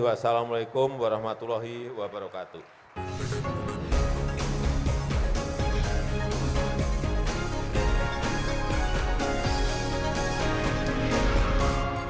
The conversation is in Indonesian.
wassalamu'alaikum warahmatullahi wabarakatuh